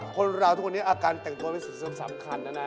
คนราวทุกคนเนี่ยอาการแต่งตัวรู้สึกสำคัญนะนะ